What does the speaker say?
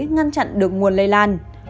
ngăn chặn được nguồn lây lan